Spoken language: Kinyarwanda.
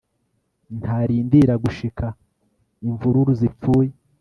ntarindira gushika imvururu zipfuye